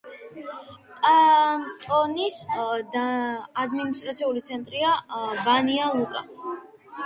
კანტონის ადმინისტრაციული ცენტრია ბანია-ლუკა.